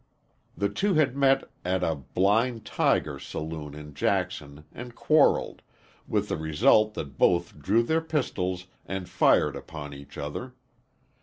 The two had met at a "blind tiger" saloon in Jackson and quarreled, with the result that both drew their pistols and fired upon each other.